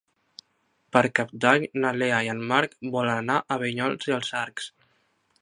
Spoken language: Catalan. Per Cap d'Any na Lea i en Marc volen anar a Vinyols i els Arcs.